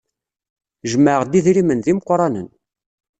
Jemɛeɣ-d idrimen d imeqranen.